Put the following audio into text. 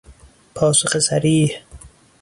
پاسخ صریح